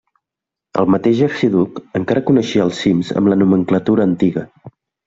El mateix Arxiduc encara coneixia els cims amb la nomenclatura antiga.